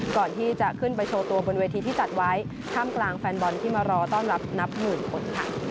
ก่อนที่จะขึ้นไปโชว์ตัวบนเวทีที่จัดไว้ท่ามกลางแฟนบอลที่มารอต้อนรับนับหมื่นคนค่ะ